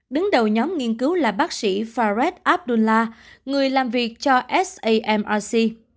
đứng đầu nhóm nghiên cứu là bác sĩ fared abdullah người làm việc cho samrc